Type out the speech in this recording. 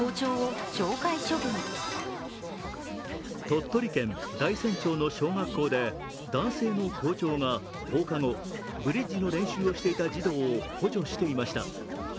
鳥取県大山町の小学校で男性の校長が放課後、ブリッジの練習をしていた児童を補助していました。